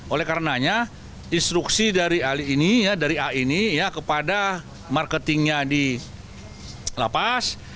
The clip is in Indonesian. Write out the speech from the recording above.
oleh karenanya instruksi dari ali ini dari a ini kepada marketingnya di lapas